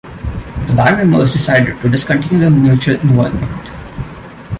The band members decided to discontinue their mutual involvement.